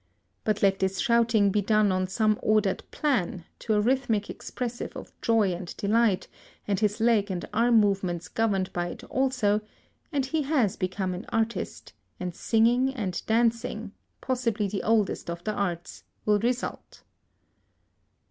But let this shouting be done on some ordered plan, to a rhythm expressive of joy and delight, and his leg and arm movements governed by it also, and he has become an artist, and singing and dancing (possibly the oldest of the arts) will result.